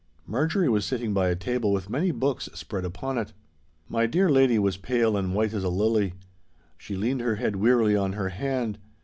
Marjorie was sitting by a table with many books spread upon it. My dear lady was pale and white as a lily. She leaned her head wearily on her hand.